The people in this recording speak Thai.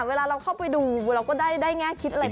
เวลาเราเข้าไปดูเราก็ได้แค่เคลียร์คิดอะไรต่าง